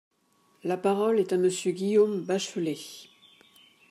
La parole est à Monsieur Guillaume Bachelay.